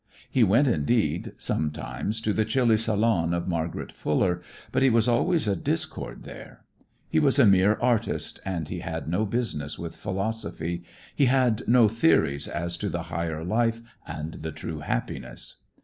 He went indeed, sometimes, to the chilly salon of Margaret Fuller, but he was always a discord there. He was a mere artist and he had no business with philosophy, he had no theories as to the "higher life" and the "true happiness."